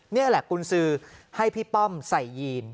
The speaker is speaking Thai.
นี่แหละกุญสือให้พี่ป้อมใส่ยีน